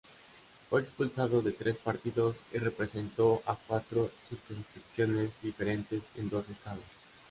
Fue expulsado de tres partidos y representó a cuatro circunscripciones diferentes en dos estados.